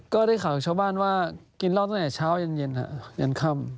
ก็ได้ข่าวจากชาวบ้านว่ากินเหล้าตั้งแต่เช้ายันเย็นครับยันค่ำ